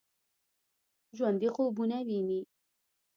ژوندي خوبونه ويني